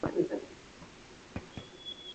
د ریګ دښتې د اقتصاد برخه ده.